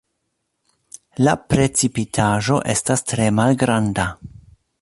La precipitaĵo estas tre malgranda.